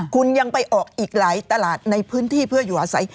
คุณยังไปออกอีกหลายตลาดในพื้นที่เพื่ออยู่อาศัย